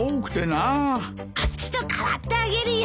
こっちと代わってあげるよ。